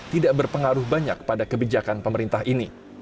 tidak berpengaruh banyak pada kebijakan pemerintah ini